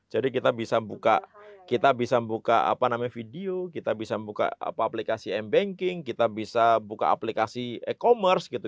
jadi kita bisa buka video kita bisa buka aplikasi mbanking kita bisa buka aplikasi e commerce gitu